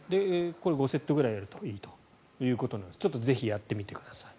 これ、５セットくらいやるといいということなのでぜひやってみてください。